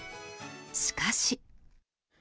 しかし。